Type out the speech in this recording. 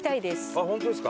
あっ本当ですか？